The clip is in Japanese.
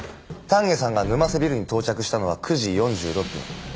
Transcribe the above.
丹下さんが沼瀬ビルに到着したのは９時４６分。